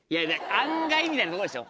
案外みたいなとこでしょ